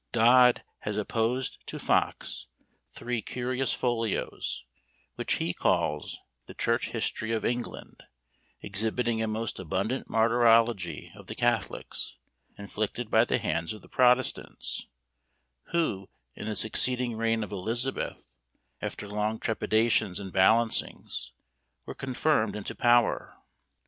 Dodd has opposed to Fox three curious folios, which he calls "The Church History of England," exhibiting a most abundant martyrology of the catholics, inflicted by the hands of the protestants; who in the succeeding reign of Elizabeth, after long trepidations and balancings, were confirmed into power.